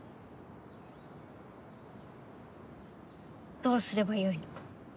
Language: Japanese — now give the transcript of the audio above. どうすればよいのか？